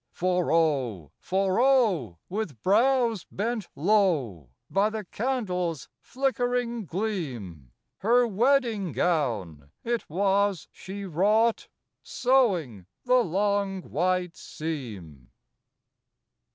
For O, for O, with brows bent low By the candle's flickering gleam, Her wedding gown it was she wrought Sewing the long white seam.